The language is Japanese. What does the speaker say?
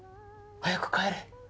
早く帰れ。